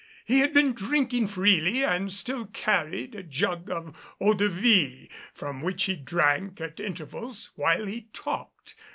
He had been drinking freely and still carried a jug of eau de vie, from which he drank at intervals while he talked.